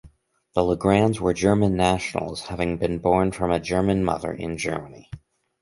The LaGrands were German nationals, having been born from a German mother in Germany.